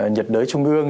nhật đới trung ương